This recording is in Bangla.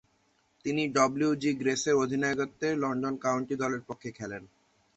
তিনি ডব্লিউ. জি. গ্রেসের অধিনায়কত্বে লন্ডন কাউন্টি দলের পক্ষে খেলেন।